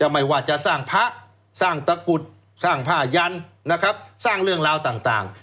ไม่ว่าจะสร้างพระสร้างตะกุดสร้างผ้ายันนะครับสร้างเรื่องราวต่าง